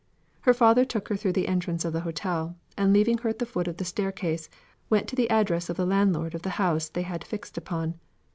Her father took her through the entrance of the hotel, and leaving her at the foot of the staircase, went to the address of the landlord of the house they had fixed upon.